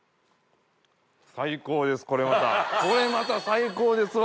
最高です！